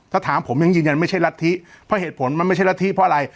ถ้าถามผมยังยืนยันไม่ใช่รัฐธิเพราะเหตุผลมันไม่ใช่รัฐธิเพราะอะไร